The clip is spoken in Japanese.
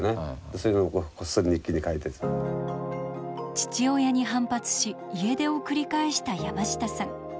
父親に反発し家出を繰り返した山下さん。